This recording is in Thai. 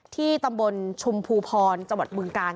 ที่ตำบลชุมภูพรจังหวัดบึงกาล